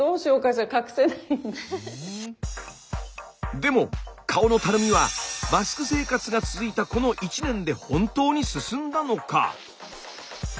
でも顔のたるみはマスク生活が続いたこの１年で本当に進んだのか？